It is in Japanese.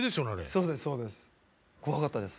そうですそうです。